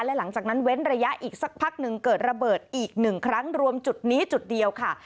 และหลังจากนั้นเว้นระยะอีกสักพักหนึ่งเกิดระเบิดอีกหนึ่งครั้งรวมจุดนี้จุดเดียวค่ะ